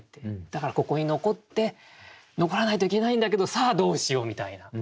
だからここに遺って遺らないといけないんだけどさあどうしようみたいな。